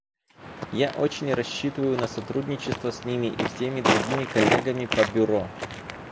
Я очень рассчитываю на сотрудничество с ними и всеми другими коллегами по Бюро.